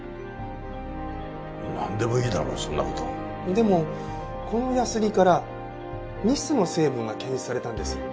でもこのヤスリからニスの成分が検出されたんです。